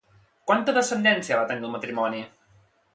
Quanta descendència va tenir el matrimoni?